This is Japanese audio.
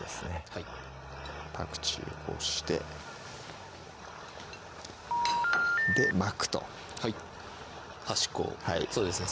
はいパクチーをこうしてで巻くとはい端っこをそうですね